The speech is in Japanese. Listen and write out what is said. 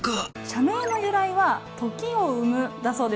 社名の由来は「時を生む」だそうですね。